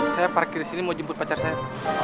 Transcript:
saya parkir disini mau jemput pacar saya